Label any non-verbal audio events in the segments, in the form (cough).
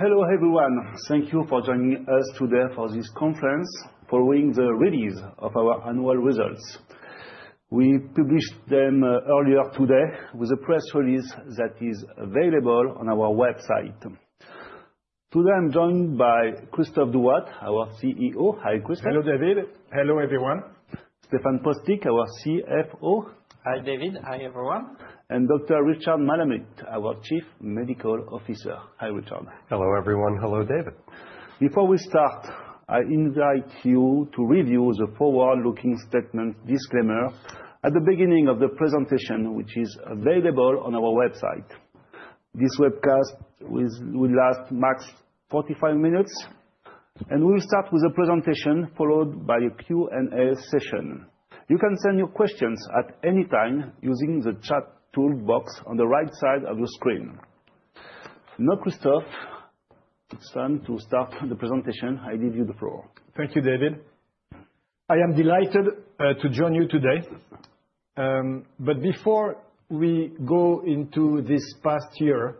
Hello, everyone. Thank you for joining us today for this conference following the release of our annual results. We published them earlier today with a press release that is available on our website. Today, I'm joined by Christophe Douat, our CEO. Hi, Christophe. Hello, David. Hello, everyone. Stéphane Postic, our CFO. Hi, David. Hi, everyone. Dr. Richard Malamut, our Chief Medical Officer. Hi, Richard. Hello, everyone. Hello, David. Before we start, I invite you to review the forward-looking statement disclaimer at the beginning of the presentation, which is available on our website. This webcast will last max 45 minutes, and we'll start with a presentation followed by a Q&A session. You can send your questions at any time using the chat toolbox on the right side of your screen. Now, Christophe, it's time to start the presentation. I leave you the floor. Thank you, David. I am delighted to join you today. Before we go into this past year,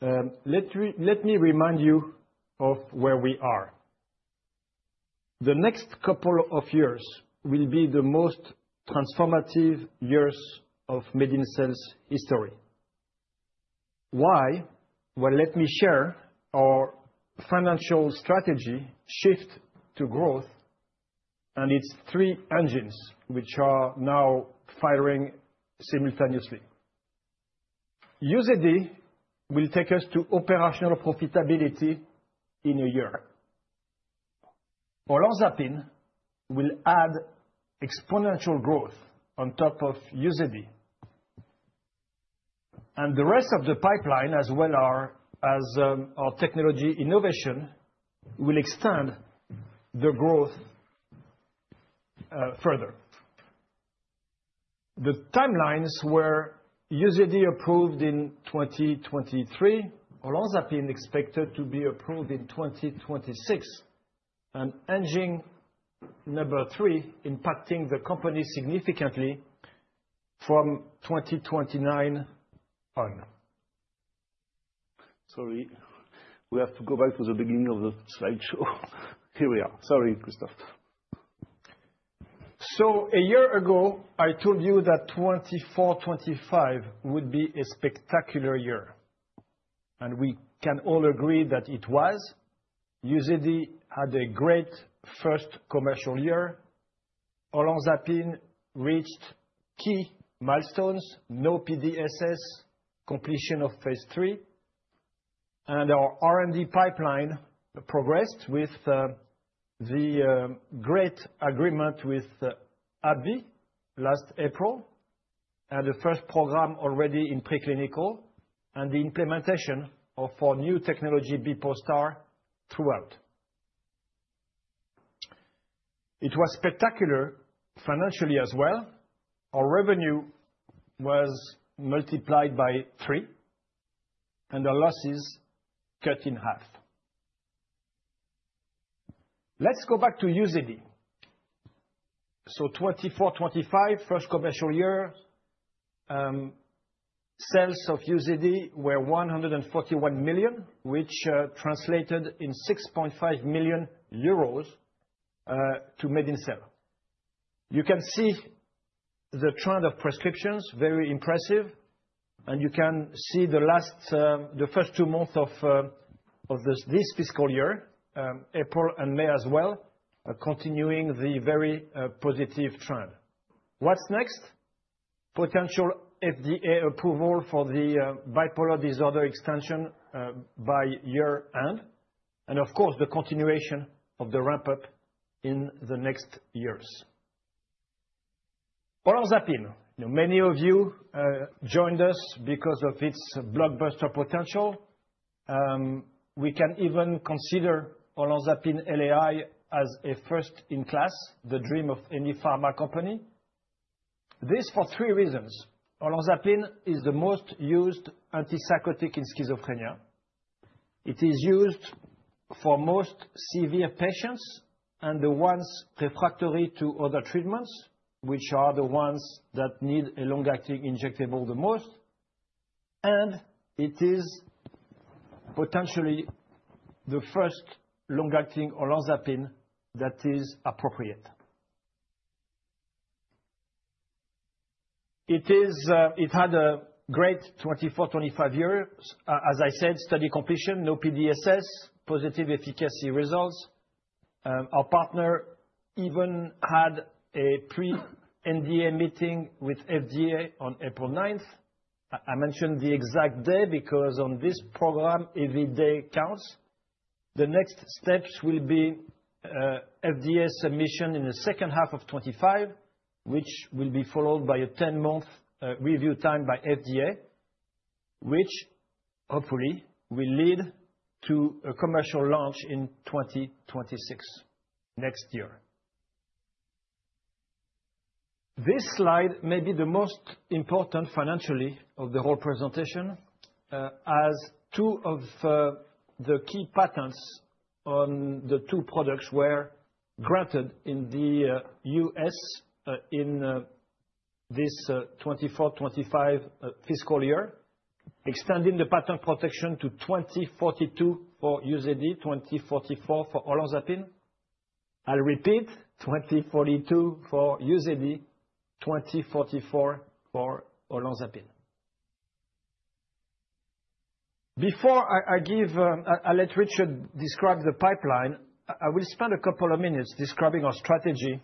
let me remind you of where we are. The next couple of years will be the most transformative years of Medincell's history. Why? Let me share our financial strategy shift to growth and its three engines, which are now firing simultaneously. Uzedy will take us to operational profitability in a year. Olanzapine will add exponential growth on top of Uzedy. The rest of the pipeline, as well as our technology innovation, will extend the growth further. The timelines were Uzedy approved in 2023. Olanzapine is expected to be approved in 2026. Engine number three is impacting the company significantly from 2029 on. Sorry, we have to go back to the beginning of the slideshow. Here we are. Sorry, Christophe. A year ago, I told you that 2024-2025 would be a spectacular year. We can all agree that it was. Uzedy had a great first commercial year. Olanzapine reached key milestones: no PDSS, completion of phase three. Our R&D pipeline progressed with the great agreement with AbbVie last April, and the first program already in preclinical, and the implementation of our new technology, Bepostar, throughout. It was spectacular financially as well. Our revenue was multiplied by three, and our losses cut in half. Let's go back to Uzedy. In 2024-2025, first commercial year, sales of Uzedy were $141 million, which translated in 6.5 million euros to Medincell. You can see the trend of prescriptions, very impressive. You can see the first two months of this fiscal year, April and May as well, continuing the very positive trend. What's next? Potential FDA approval for the bipolar disorder extension by year end. Of course, the continuation of the ramp-up in the next years. Olanzapine, many of you joined us because of its blockbuster potential. We can even consider Olanzapine LAI as a first in class, the dream of any pharma company. This for three reasons. Olanzapine is the most used antipsychotic in schizophrenia. It is used for most severe patients and the ones refractory to other treatments, which are the ones that need a long-acting injectable the most. It is potentially the first long-acting Olanzapine that is appropriate. It had a great 2024-2025 year, as I said, study completion, no PDSS, positive efficacy results. Our partner even had a pre-NDA meeting with FDA on April 9. I mention the exact day because on this program, every day counts. The next steps will be FDA submission in the second half of 2025, which will be followed by a 10-month review time by FDA, which hopefully will lead to a commercial launch in 2026, next year. This slide may be the most important financially of the whole presentation, as two of the key patents on the two products were granted in the U.S. in this 2024-2025 fiscal year, extending the patent protection to 2042 for Uzedy, 2044 for Olanzapine. I'll repeat, 2042 for Uzedy, 2044 for Olanzapine. Before I give, I'll let Richard describe the pipeline. I will spend a couple of minutes describing our strategy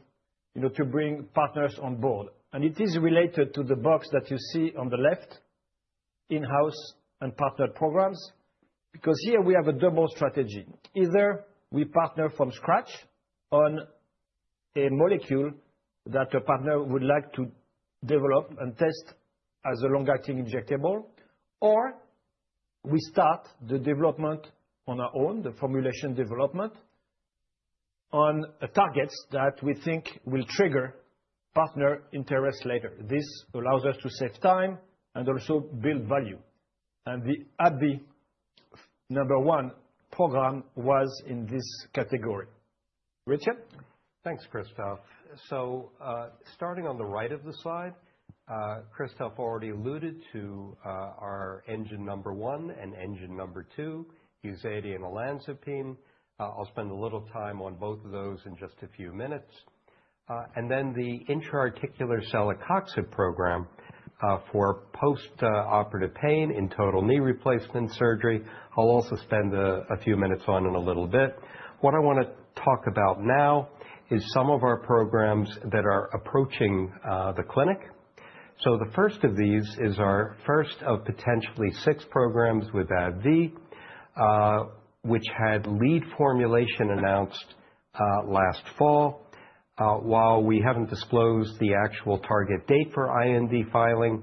to bring partners on board. It is related to the box that you see on the left, in-house and partner programs, because here we have a double strategy. Either we partner from scratch on a molecule that a partner would like to develop and test as a long-acting injectable, or we start the development on our own, the formulation development on targets that we think will trigger partner interest later. This allows us to save time and also build value. And the AbbVie number one program was in this category. Richard? Thanks, Christophe. Starting on the right of the slide, Christophe already alluded to our engine number one and engine number two, Uzedy and olanzapine. I'll spend a little time on both of those in just a few minutes. The intra-articular celecoxib program for postoperative pain in total knee replacement surgery, I'll also spend a few minutes on in a little bit. What I want to talk about now is some of our programs that are approaching the clinic. The first of these is our first of potentially six programs with AbbVie, which had lead formulation announced last fall. While we haven't disclosed the actual target date for IND filing,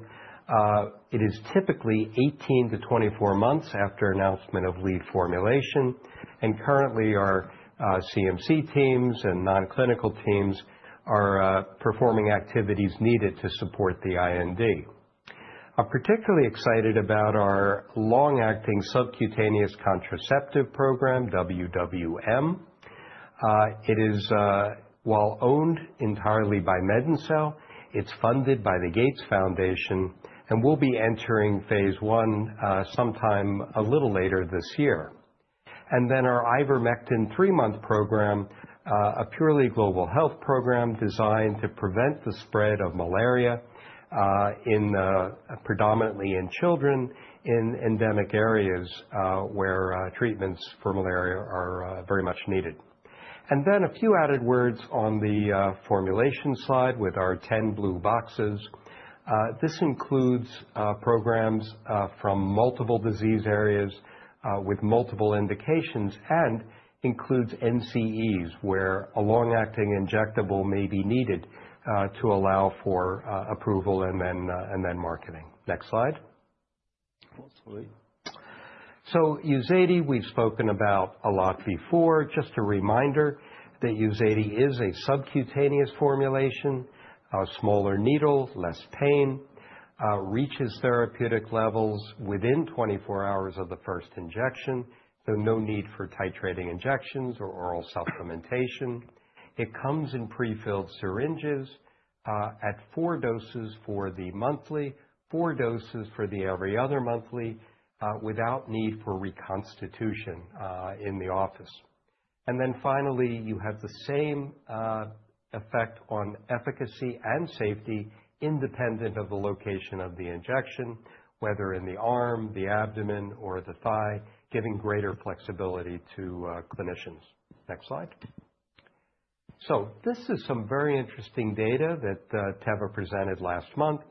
it is typically 18-24 months after announcement of lead formulation. Currently, our CMC teams and nonclinical teams are performing activities needed to support the IND. I'm particularly excited about our long-acting subcutaneous contraceptive program, WWM. It is, while owned entirely by Medincell, it's funded by the Gates Foundation and will be entering phase one sometime a little later this year. Our Ivermectin three-month program, a purely global health program designed to prevent the spread of malaria predominantly in children in endemic areas where treatments for malaria are very much needed. A few added words on the formulation slide with our 10 blue boxes. This includes programs from multiple disease areas with multiple indications and includes NCEs where a long-acting injectable may be needed to allow for approval and then marketing. Next slide. Hopefully. Uzedy, we've spoken about a lot before. Just a reminder that Uzedy is a subcutaneous formulation, a smaller needle, less pain, reaches therapeutic levels within 24 hours of the first injection, so no need for titrating injections or oral supplementation. It comes in prefilled syringes at four doses for the monthly, four doses for the every other monthly without need for reconstitution in the office. Finally, you have the same effect on efficacy and safety independent of the location of the injection, whether in the arm, the abdomen, or the thigh, giving greater flexibility to clinicians. Next slide. This is some very interesting data that Teva presented last month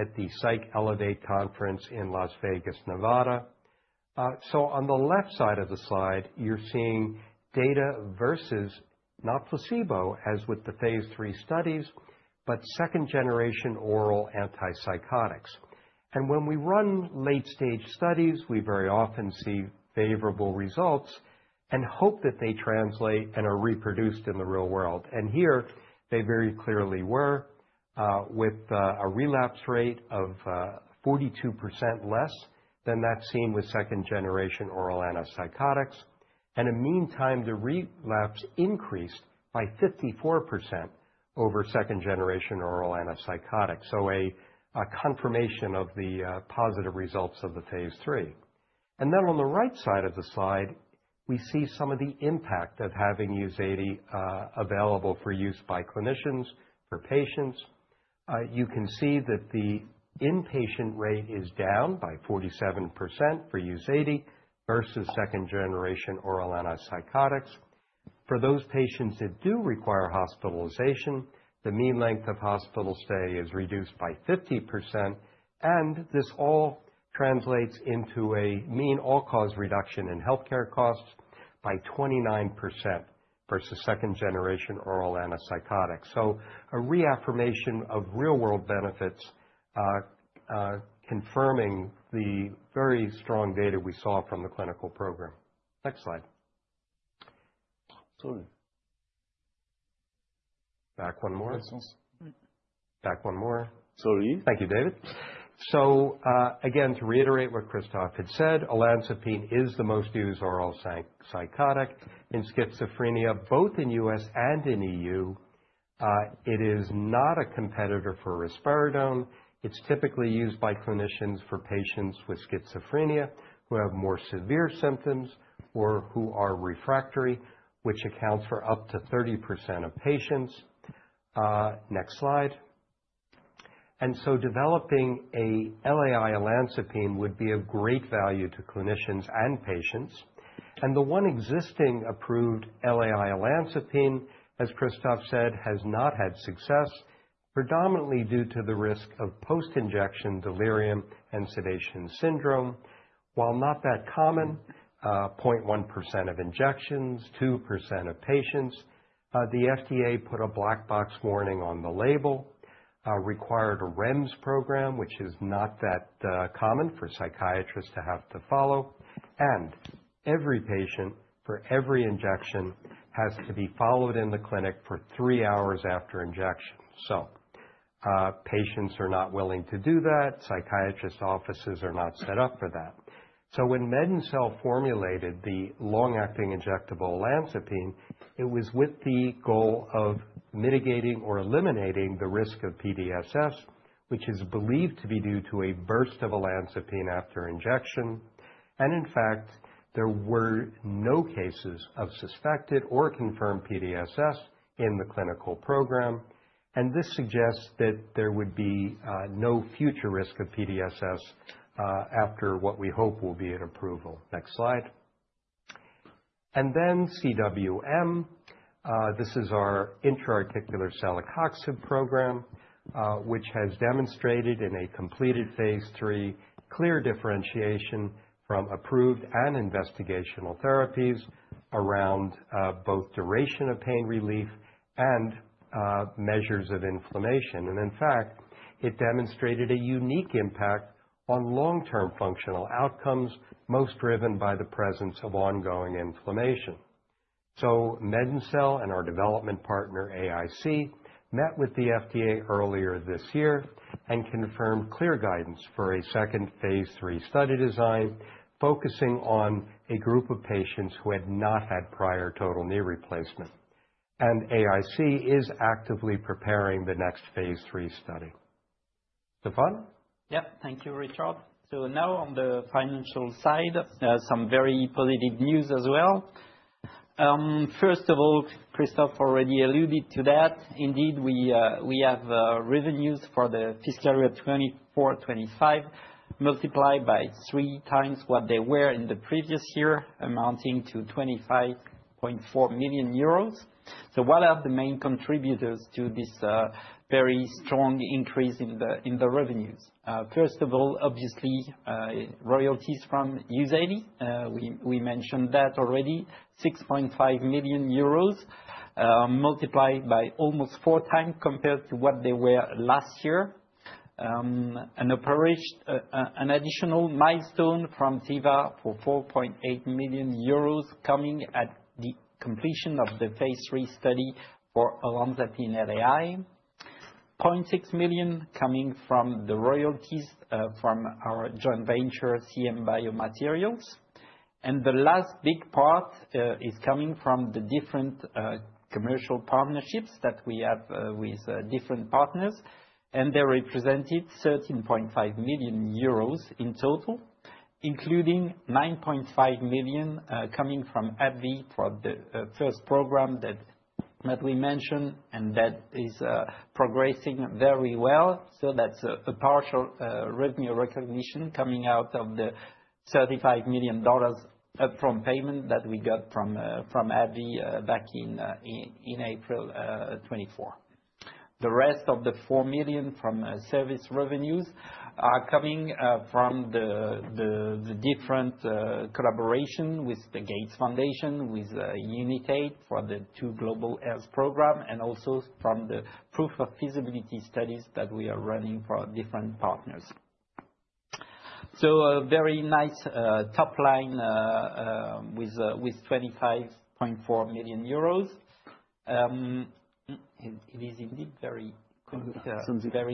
at the PsychElevate conference in Las Vegas, Nevada. On the left side of the slide, you're seeing data versus not placebo as with the phase three studies, but second-generation oral antipsychotics. When we run late-stage studies, we very often see favorable results and hope that they translate and are reproduced in the real world. Here, they very clearly were, with a relapse rate of 42% less than that seen with second-generation oral antipsychotics. In the meantime, the relapse increased by 54% over second-generation oral antipsychotics, so a confirmation of the positive results of the phase three. On the right side of the slide, we see some of the impact of having Uzedy available for use by clinicians, for patients. You can see that the inpatient rate is down by 47% for Uzedy versus second-generation oral antipsychotics. For those patients that do require hospitalization, the mean length of hospital stay is reduced by 50%. This all translates into a mean all-cause reduction in healthcare costs by 29% versus second-generation oral antipsychotics. A reaffirmation of real-world benefits confirming the very strong data we saw from the clinical program. Next slide. Sorry. Back one more. Back one more. Sorry. Thank you, David. To reiterate what Christophe had said, olanzapine is the most used oral psychotic in schizophrenia, both in the U.S. and in the EU. It is not a competitor for risperidone. It's typically used by clinicians for patients with schizophrenia who have more severe symptoms or who are refractory, which accounts for up to 30% of patients. Next slide. Developing an LAI olanzapine would be of great value to clinicians and patients. The one existing approved LAI olanzapine, as Christophe said, has not had success, predominantly due to the risk of post-injection delirium and sedation syndrome. While not that common, 0.1% of injections, 2% of patients. The FDA put a black box warning on the label, required a REMS program, which is not that common for psychiatrists to have to follow. Every patient for every injection has to be followed in the clinic for three hours after injection. Patients are not willing to do that. Psychiatrists' offices are not set up for that. When Medincell formulated the long-acting injectable olanzapine, it was with the goal of mitigating or eliminating the risk of PDSS, which is believed to be due to a burst of olanzapine after injection. In fact, there were no cases of suspected or confirmed PDSS in the clinical program. This suggests that there would be no future risk of PDSS after what we hope will be an approval. Next slide. CWM. This is our intra-articular celecoxib program, which has demonstrated in a completed phase three clear differentiation from approved and investigational therapies around both duration of pain relief and measures of inflammation. In fact, it demonstrated a unique impact on long-term functional outcomes, most driven by the presence of ongoing inflammation. Medincell and our development partner, AIC, met with the FDA earlier this year and confirmed clear guidance for a second phase three study design focusing on a group of patients who had not had prior total knee replacement. AIC is actively preparing the next phase three study. Stéphane? Yep, thank you, Richard. Now on the financial side, some very positive news as well. First of all, Christophe already alluded to that. Indeed, we have revenues for the fiscal year 2024-2025 multiplied by three times what they were in the previous year, amounting to 25.4 million euros. What are the main contributors to this very strong increase in the revenues? First of all, obviously, royalties from Uzedy. We mentioned that already, 6.5 million euros multiplied by almost four times compared to what they were last year. An additional milestone from Teva for 4.8 million euros coming at the completion of the phase three study for Olanzapine LAI, 0.6 million coming from the royalties from our joint venture, CM Biomaterials. The last big part is coming from the different commercial partnerships that we have with different partners. They represented 13.5 million euros in total, including 9.5 million coming from AbbVie for the first program that we mentioned and that is progressing very well. That is a partial revenue recognition coming out of the $35 million upfront payment that we got from AbbVie back in April 2024. The rest of the 4 million from service revenues are coming from the different collaboration with the Gates Foundation, with Unitaid for the two global health programs, and also from the proof of feasibility studies that we are running for different partners. A very nice top line with 25.4 million euros. It is indeed very sensitive.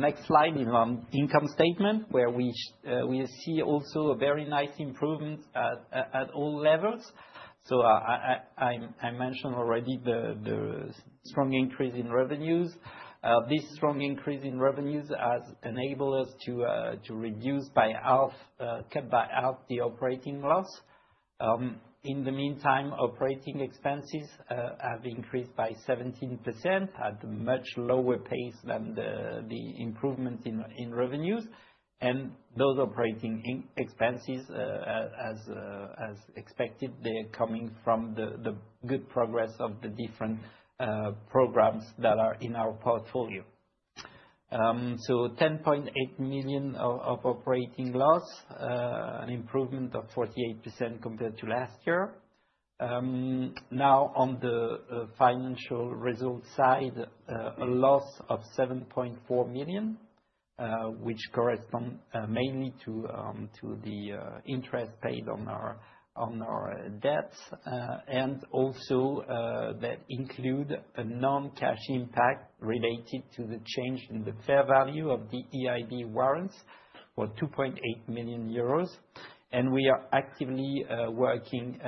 Next slide is on income statement, where we see also a very nice improvement at all levels. I mentioned already the strong increase in revenues. This strong increase in revenues has enabled us to reduce by half, cut by half the operating loss. In the meantime, operating expenses have increased by 17% at a much lower pace than the improvement in revenues. Those operating expenses, as expected, are coming from the good progress of the different programs that are in our portfolio. 10.8 million of operating loss, an improvement of 48% compared to last year. Now, on the financial result side, a loss of 7.4 million, which corresponds mainly to the interest paid on our debts. That also includes a non-cash impact related to the change in the fair value of the EIB warrants for 2.8 million euros. We are actively working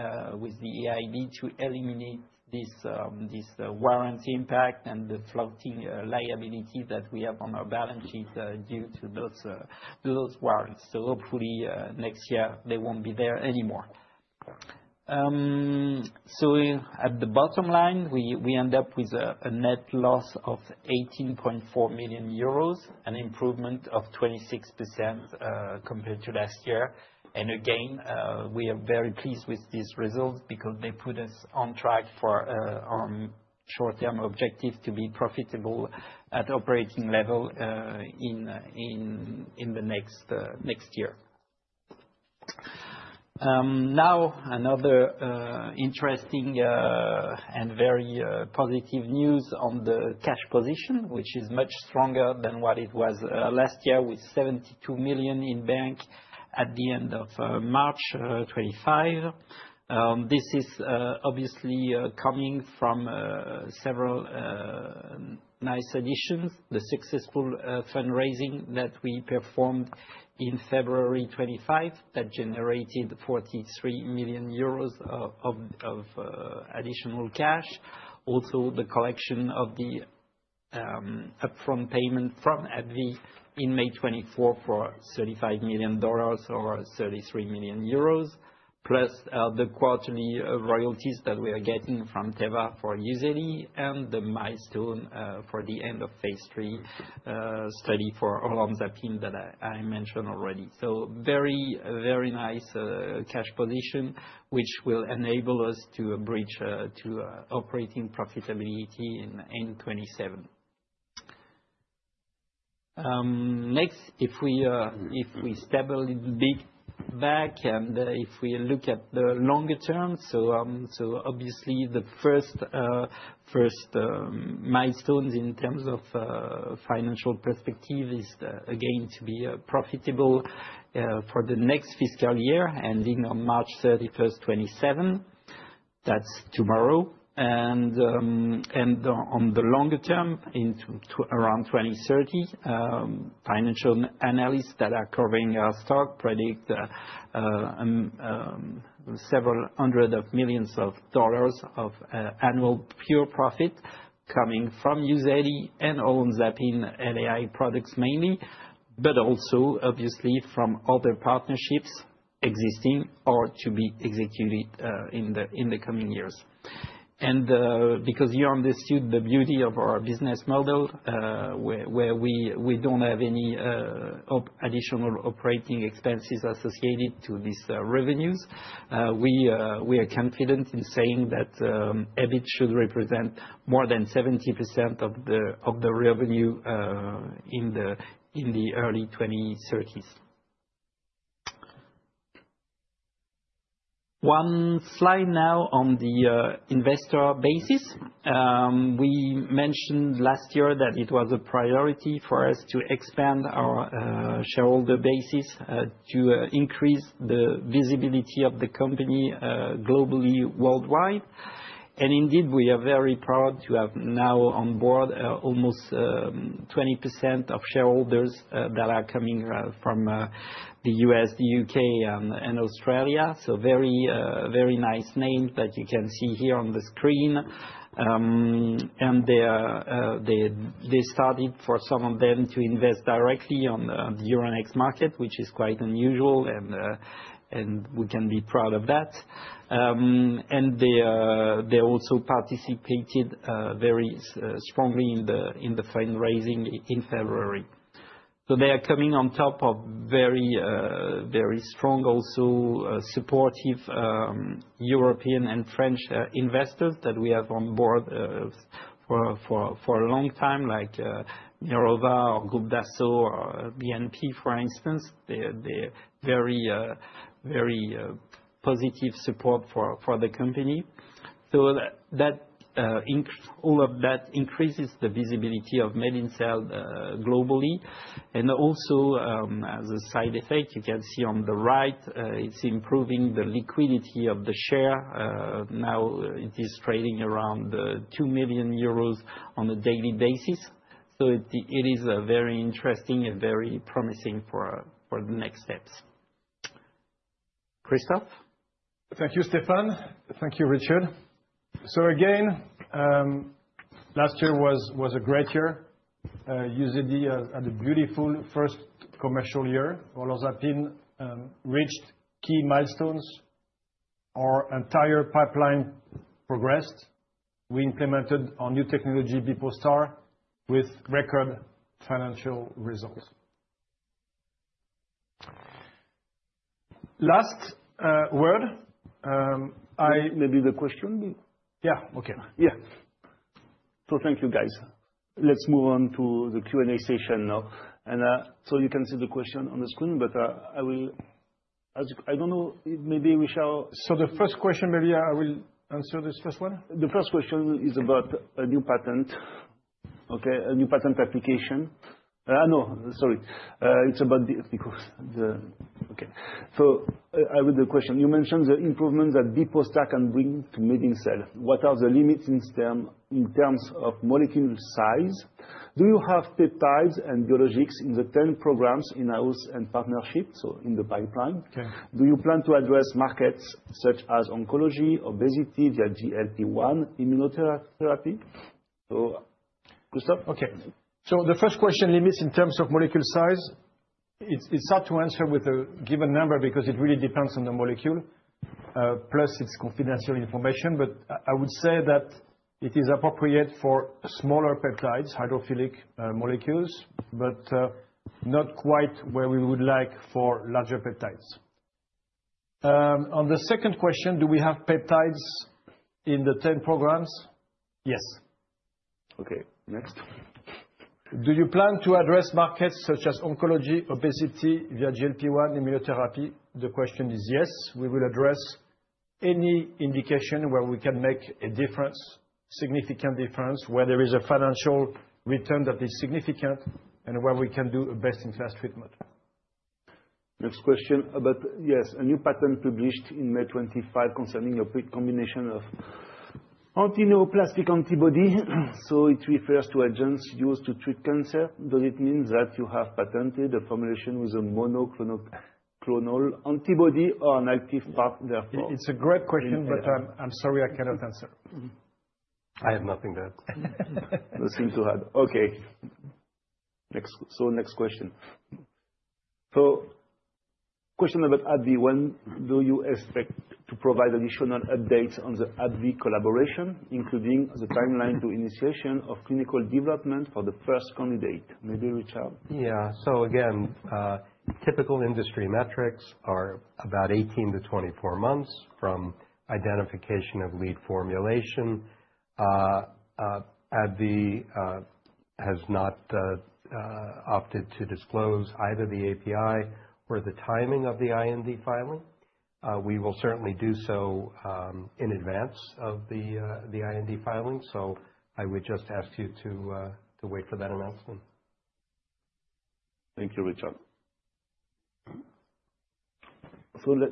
with the EIB to eliminate this warrant impact and the floating liability that we have on our balance sheet due to those warrants. Hopefully, next year, they won't be there anymore. At the bottom line, we end up with a net loss of 18.4 million euros, an improvement of 26% compared to last year. Again, we are very pleased with these results because they put us on track for our short-term objective to be profitable at operating level in the next year. Another interesting and very positive news on the cash position, which is much stronger than what it was last year with 72 million in bank at the end of March 2025. This is obviously coming from several nice additions, the successful fundraising that we performed in February 2025 that generated 43 million euros of additional cash. Also, the collection of the upfront payment from AbbVie in May 2024 for $35 million or 33 million euros, plus the quarterly royalties that we are getting from Teva for Uzedy and the milestone for the end of phase three study for olanzapine that I mentioned already. Very, very nice cash position, which will enable us to bridge to operating profitability in 2027. Next, if we step a little bit back and if we look at the longer term, obviously the first milestones in terms of financial perspective is again to be profitable for the next fiscal year ending on March 31, 2027. That's tomorrow. On the longer term, into around 2030, financial analysts that are covering our stock predict several hundreds of millions of dollars of annual pure profit coming from Uzedy and olanzapine LAI products mainly, but also obviously from other partnerships existing or to be executed in the coming years. Because you understood the beauty of our business model, where we do not have any additional operating expenses associated to these revenues, we are confident in saying that EBIT should represent more than 70% of the revenue in the early 2030s. One slide now on the investor basis. We mentioned last year that it was a priority for us to expand our shareholder basis to increase the visibility of the company globally, worldwide. Indeed, we are very proud to have now on board almost 20% of shareholders that are coming from the U.S., the U.K., and Australia. Very nice names that you can see here on the screen. They started, for some of them, to invest directly on the Euronext market, which is quite unusual, and we can be proud of that. They also participated very strongly in the fundraising in February. They are coming on top of very strong, also supportive European and French investors that we have on board for a long time, like Nerova or Group Dassault, BNP, for instance. They are very positive support for the company. All of that increases the visibility of Medincell globally. Also, as a side effect, you can see on the right, it is improving the liquidity of the share. Now it is trading around 2 million euros on a daily basis. It is very interesting and very promising for the next steps. Christophe? Thank you, Stéphane. Thank you, Richard. Again, last year was a great year. Uzedy had a beautiful first commercial year. Olanzapine reached key milestones. Our entire pipeline progressed. We implemented our new technology, Bepostar, with record financial results. Last word. Maybe the question. Yeah, okay. Yeah. Thank you, guys. Let's move on to the Q&A session now. You can see the question on the screen, but I will ask you, I don't know, maybe we shall. The first question, maybe I will answer this first one? The first question is about a new patent, okay? A new patent application. No, sorry. It's about the technical. Okay. So I read the question. You mentioned the improvements that Bepostar can bring to Medincell. What are the limits in terms of molecule size? Do you have peptides and biologics in the 10 programs in house and partnership, so in the pipeline? Do you plan to address markets such as oncology, obesity, the GLP-1 immunotherapy? So, Christophe? Okay. The first question, limits in terms of molecule size, it's hard to answer with a given number because it really depends on the molecule, plus it's confidential information. I would say that it is appropriate for smaller peptides, hydrophilic molecules, but not quite where we would like for larger peptides. On the second question, do we have peptides in the 10 programs? Yes. Okay, next. Do you plan to address markets such as oncology, obesity, the GLP-1 immunotherapy? The question is yes. We will address any indication where we can make a difference, significant difference, where there is a financial return that is significant, and where we can do a best-in-class treatment. Next question about, yes, a new patent published in May 2025 concerning a combination of antineoplastic antibody. So it refers to agents used to treat cancer. Does it mean that you have patented a formulation with a monoclonal antibody or an active part therefore? It's a great question, but I'm sorry, I cannot answer. I have nothing to add. Nothing to add. Okay. Next question. Question about AbbVie. When do you expect to provide additional updates on the AbbVie collaboration, including the timeline to initiation of clinical development for the first candidate? Maybe Richard? Yeah. So again, typical industry metrics are about 18-24 months from identification of lead formulation. AbbVie has not opted to disclose either the API or the timing of the IND filing. We will certainly do so in advance of the IND filing. I would just ask you to wait for that announcement. Thank you, Richard.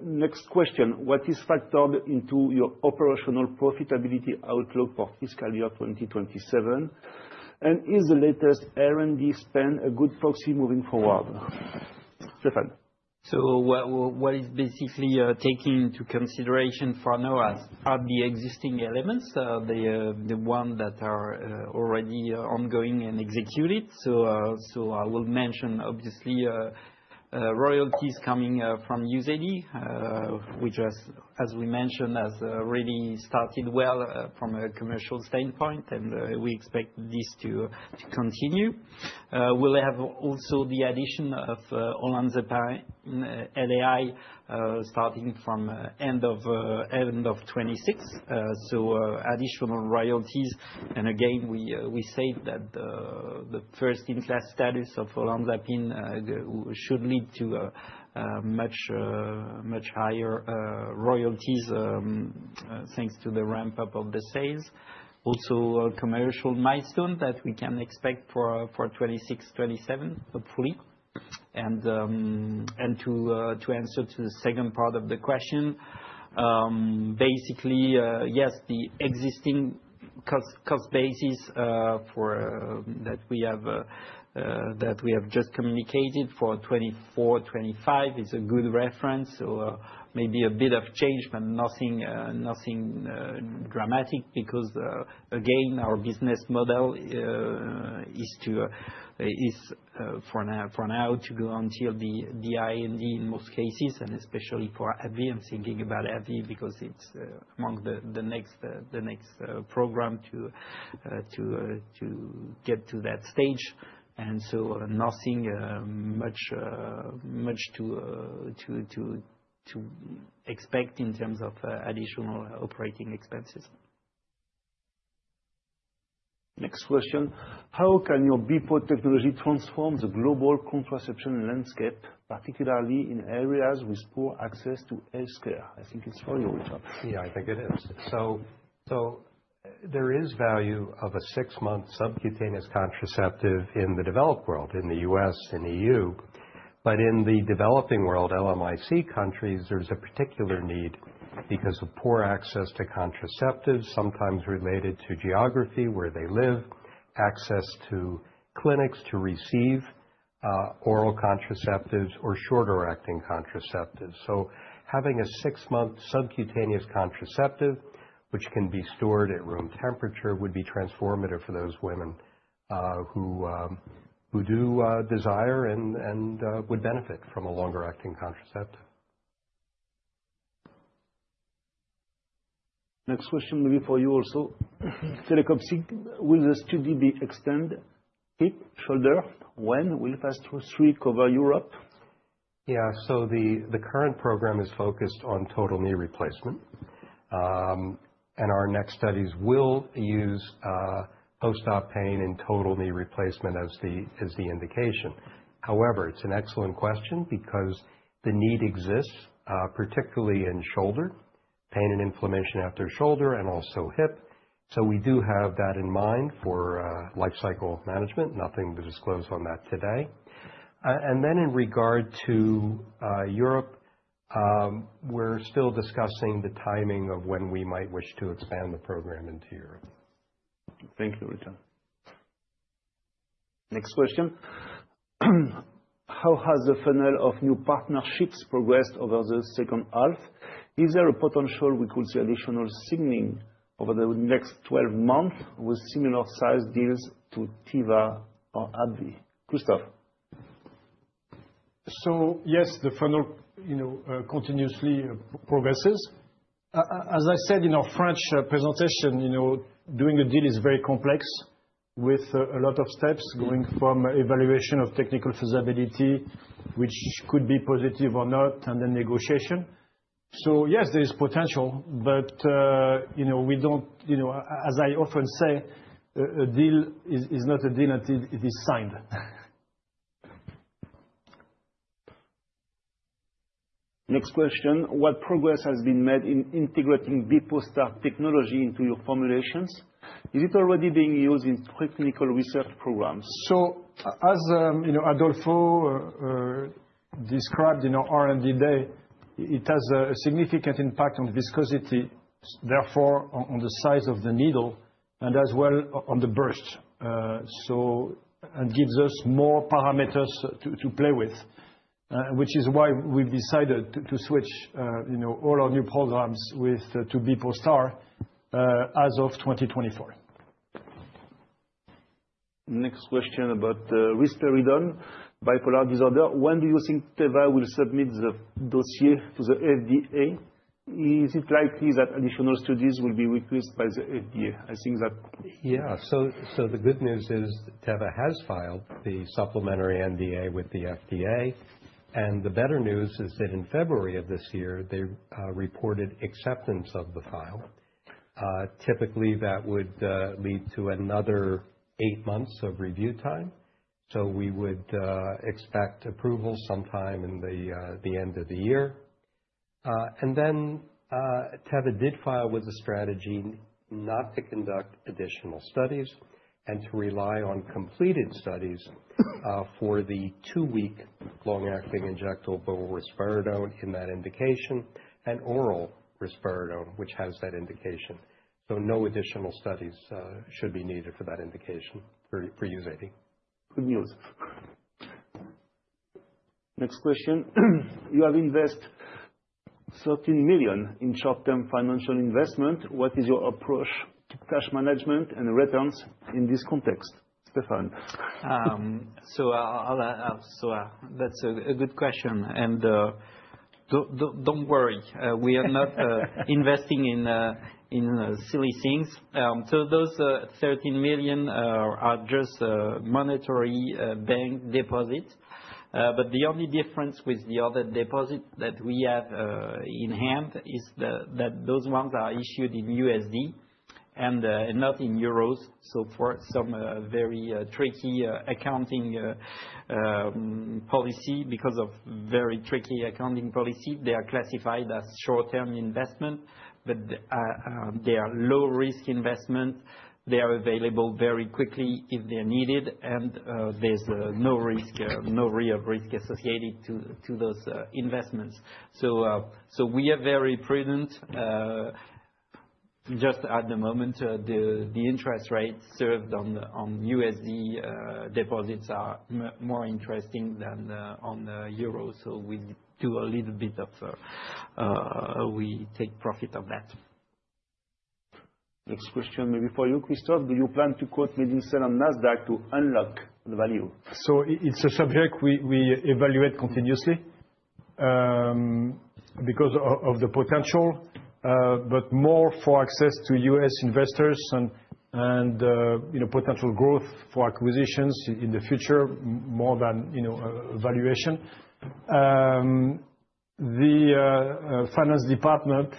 Next question, what is factored into your operational profitability outlook for fiscal year 2027? Is the latest R&D spend a good proxy moving forward? Stéphane? What is basically taken into consideration for now are the existing elements, the ones that are already ongoing and executed. I will mention, obviously, royalties coming from Uzedy, which, as we mentioned, has really started well from a commercial standpoint, and we expect this to continue. We'll have also the addition of olanzapine LAI starting from end of 2026. So additional royalties. Again, we say that the first-in-class status of olanzapine should lead to much, much higher royalties thanks to the ramp-up of the sales. Also, commercial milestone that we can expect for 2026, 2027, hopefully. To answer to the second part of the question, basically, yes, the existing cost basis that we have just communicated for 2024, 2025 is a good reference. Maybe a bit of change, but nothing dramatic because, again, our business model is for now to go until the IND in most cases, and especially for AbbVie. I'm thinking about AbbVie because it's among the next program to get to that stage. Nothing much to expect in terms of additional operating expenses. Next question. How can your Bepostar technology transform the global contraception landscape, particularly in areas with poor access to healthcare? I think it's for you, Richard. Yeah, I think it is. There is value of a six-month subcutaneous contraceptive in the developed world, in the U.S., in the EU. In the developing world, LMIC countries, there's a particular need because of poor access to contraceptives, sometimes related to geography, where they live, access to clinics to receive oral contraceptives or shorter-acting contraceptives. Having a six-month subcutaneous contraceptive, which can be stored at room temperature, would be transformative for those women who do desire and would benefit from a longer-acting contraceptive. Next question, maybe for you also. (audio distortion) will the study be extended hip, shoulder? When will FAST III cover Europe? Yeah. The current program is focused on total knee replacement. Our next studies will use post-op pain and total knee replacement as the indication. However, it's an excellent question because the need exists, particularly in shoulder, pain and inflammation after shoulder, and also hip. We do have that in mind for life cycle management. Nothing to disclose on that today. In regard to Europe, we're still discussing the timing of when we might wish to expand the program into Europe. Thank you, Richard. Next question. How has the funnel of new partnerships progressed over the second half? Is there a potential we could see additional signaling over the next 12 months with similar-sized deals to Teva or AbbVie? Christophe? Yes, the funnel continuously progresses. As I said in our French presentation, doing a deal is very complex with a lot of steps going from evaluation of technical feasibility, which could be positive or not, and then negotiation. Yes, there is potential, but as I often say, a deal is not a deal until it is signed. Next question. What progress has been made in integrating Bepostar technology into your formulations? Is it already being used in preclinical research programs? As Adolfo described in our R&D day, it has a significant impact on viscosity, therefore on the size of the needle, and as well on the burst. It gives us more parameters to play with, which is why we've decided to switch all our new programs to Bepostar as of 2024. Next question about the risperidone bipolar disorder. When do you think Teva will submit the dossier to the FDA? Is it likely that additional studies will be requested by the FDA? I think that. Yeah. The good news is Teva has filed the supplementary NDA with the FDA. The better news is that in February of this year, they reported acceptance of the file. Typically, that would lead to another eight months of review time. We would expect approval sometime in the end of the year. Teva did file with a strategy not to conduct additional studies and to rely on completed studies for the two-week long-acting injectable risperidone in that indication and oral risperidone, which has that indication. No additional studies should be needed for that indication for Uzedy. Good news. Next question. You have invested 13 million in short-term financial investment. What is your approach to cash management and returns in this context? Stéphane. That's a good question. And don't worry. We are not investing in silly things. Those $13 million are just monetary bank deposits. The only difference with the other deposits that we have in hand is that those ones are issued in USD and not in EUR. For some very tricky accounting policy, because of very tricky accounting policy, they are classified as short-term investment, but they are low-risk investments. They are available very quickly if they're needed, and there's no risk, no real risk associated to those investments. We are very prudent. Just at the moment, the interest rates served on USD deposits are more interesting than on EUR. We do a little bit of we take profit of that. Next question, maybe for you, Christophe. Do you plan to quote Medincell on Nasdaq to unlock the value? It's a subject we evaluate continuously because of the potential, but more for access to U.S. investors and potential growth for acquisitions in the future, more than valuation. The finance department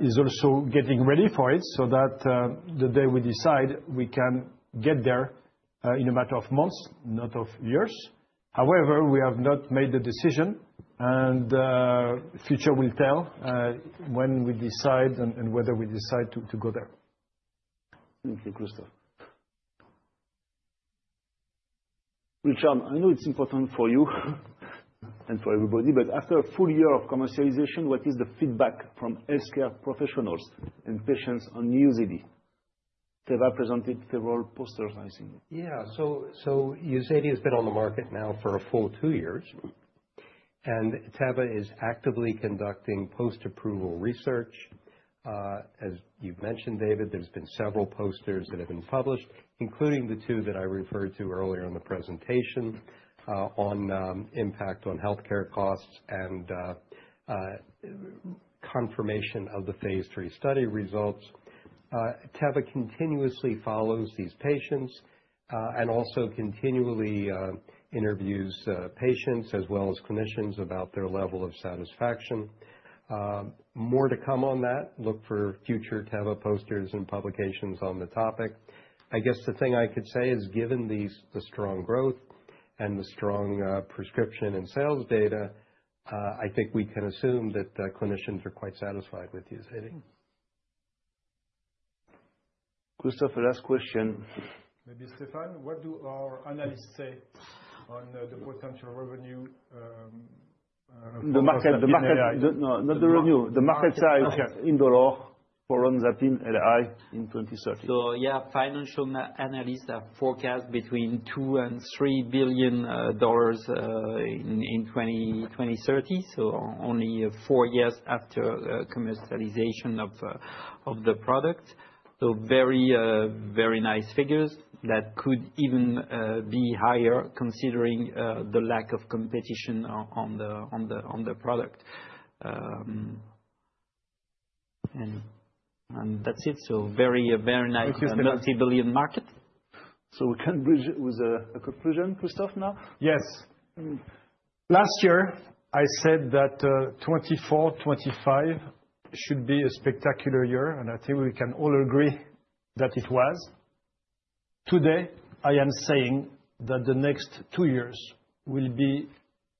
is also getting ready for it so that the day we decide, we can get there in a matter of months, not of years. However, we have not made the decision, and the future will tell when we decide and whether we decide to go there. Thank you, Christophe. Richard, I know it's important for you and for everybody, but after a full year of commercialization, what is the feedback from healthcare professionals and patients on Uzedy? Teva presented several posters, I think. Yeah. Uzedy has been on the market now for a full two years, and Teva is actively conducting post-approval research. As you have mentioned, David, there have been several posters that have been published, including the two that I referred to earlier in the presentation on impact on healthcare costs and confirmation of the phase three study results. Teva continuously follows these patients and also continually interviews patients as well as clinicians about their level of satisfaction. More to come on that. Look for future Teva posters and publications on the topic. I guess the thing I could say is, given the strong growth and the strong prescription and sales data, I think we can assume that clinicians are quite satisfied with Uzedy. Christophe, last question. Maybe Stéphane, what do our analysts say on the potential revenue? The market size. No, not the revenue. The market size in dollars for olanzapine LAI in 2030. Yeah, financial analysts have forecast between $2 billion and $3 billion in 2030, only four years after commercialization of the product. Very, very nice figures that could even be higher considering the lack of competition on the product. That's it. Very, very nice multi-billion market. We can bridge it with a conclusion, Christophe, now? Yes. Last year, I said that 2024, 2025 should be a spectacular year, and I think we can all agree that it was. Today, I am saying that the next two years will be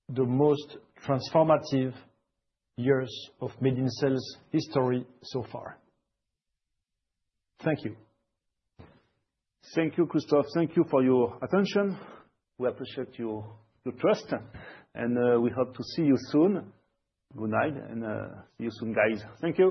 the most transformative years of Medincell's history so far. Thank you. Thank you, Christophe. Thank you for your attention. We appreciate your trust, and we hope to see you soon. Good night, and see you soon, guys. Thank you.